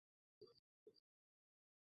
এই বস্তুজগৎকে ঘিরে একটি অদৃশ্য আনন্দলোক আছে।